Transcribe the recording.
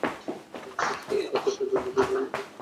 তোমাকে প্যাক করতে সাহায্য করব, যদিও তোমার কিছু নেওয়ার দরকার নেই।